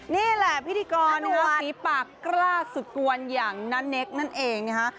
นี่แหละพิธีกรนะคะฝีปากกล้าสุดกวนอย่างณเนคนั่นเองนะคะ